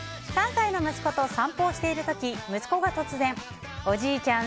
３歳の息子と散歩をしている時息子が突然、おじいちゃん